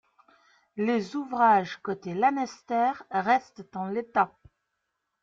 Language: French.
Les ouvrages, côté Lanester, restent en l'état.